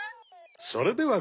それでは